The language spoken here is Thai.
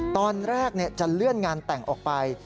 ตอนแรกจะเลื่อนงานแต่งออกไป